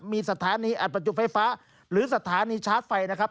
มีสถานีอัดประจุไฟฟ้าหรือสถานีชาร์จไฟนะครับ